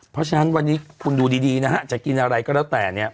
เพราะฉะนั้นวันนี้คุณดูดีนะฮะจะกินอะไรก็แล้วแต่เนี่ย